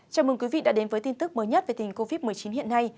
chào mừng quý vị đã đến với tin tức mới nhất về tình covid một mươi chín hiện nay